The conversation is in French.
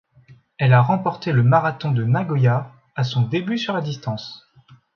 Elle a remporté le marathon de Nagoya, à son début sur la distance.